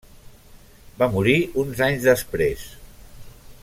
Va morir uns anys després.